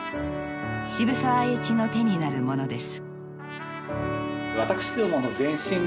渋沢栄一の手になるものです。